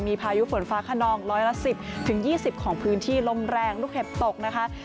มีพายุฝนฟ้าคนองร้อยละ๑๐๒๐องศาเซลเซียสของพื้นที่ลมแรงลูกเห็บตก